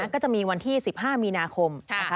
ก็จะมีวันที่๑๕มีนาคม